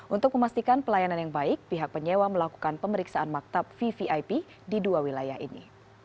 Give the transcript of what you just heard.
untuk memastikan pelayanan yang baik pihak penyewa melakukan pemeriksaan maktab vvip di dua wilayah ini